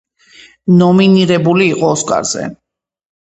ნომინირებული იყო ოსკარზე.